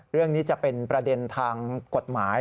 เรื่องนี้จะเป็นประเด็นทางกฎหมาย